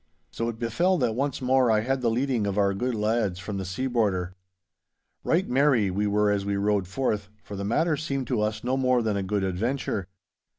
So it befell that once more I had the leading of our good lads from the sea border. Right merry we were as we rode forth, for the matter seemed to us no more than a good adventure.